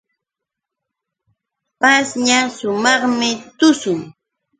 Pashña sumaqmi tushun.